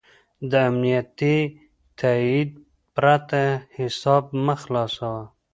د امنیتي تایید پرته حساب مه خلاصوه.